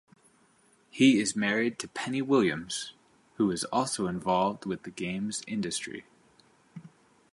He is married to Penny Williams, who is also involved with the games industry.